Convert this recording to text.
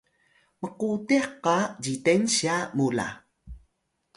mqutih qa zitensya mu la